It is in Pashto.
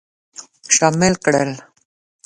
شامل کړل.